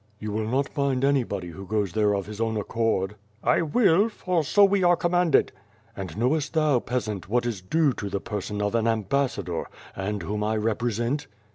"You will not bind anybody who goes there of his own ac cord?" "I will, for so we are commanded." "And icnowest thou, peasant, what is due to the person of an ambassador: and whom I represent?"